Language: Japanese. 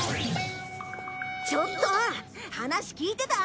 ちょっと話聞いてた？